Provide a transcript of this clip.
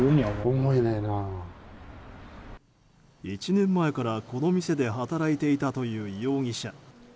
１年前から、この店で働いていたという容疑者。